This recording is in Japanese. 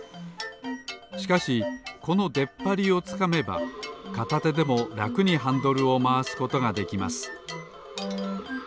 しかしこのでっぱりをつかめばかたてでもらくにハンドルをまわすことができます